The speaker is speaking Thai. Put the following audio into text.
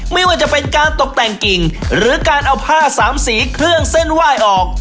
ไม่ว่าจะเป็นการตกแต่งกิ่งหรือการเอาผ้าสามสีเครื่องเส้นไหว้ออก